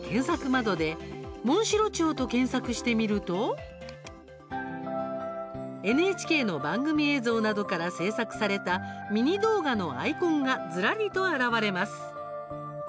窓でモンシロチョウと検索してみるとＮＨＫの番組映像などから制作されたミニ動画のアイコンがずらりと現れます。